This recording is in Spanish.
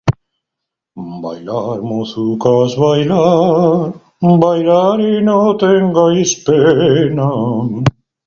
El tema está analizado extensamente por Martina Kölbl-Ebert en "Geología y Religión".